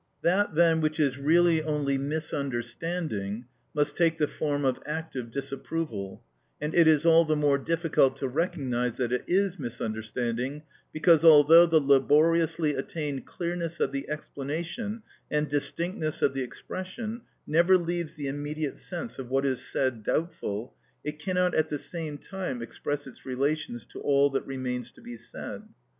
That, then, which is really only misunderstanding, must take the form of active disapproval, and it is all the more difficult to recognise that it is misunderstanding, because although the laboriously attained clearness of the explanation and distinctness of the expression never leaves the immediate sense of what is said doubtful, it cannot at the same time express its relations to all that remains to be said.